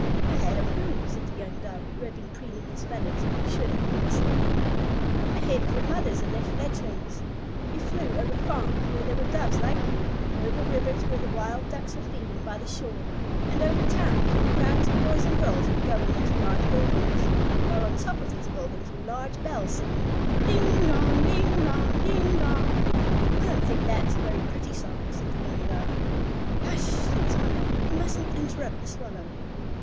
"Ahead of whom?" said the young Dove, who had been preening his feathers when he should have been listening. "Ahead of the mothers and their fledglings. We flew over farms where there were Doves like you; over rivers where the Wild Ducks were feeding by the shore; and over towns where crowds of boys and girls were going into large buildings, while on top of these buildings were large bells singing, 'Ding dong, ding dong, ding dong.'" "I don't think that was a very pretty song," said the young Dove. "Hush," said his mother, "you mustn't interrupt the Swallow."